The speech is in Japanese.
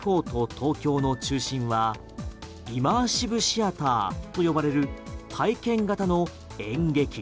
東京の中心はイマーシブシアターと呼ばれる体験型の演劇。